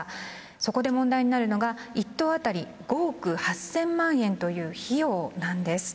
そこで問題になるのが１棟当たり５億８０００万円という費用なんです。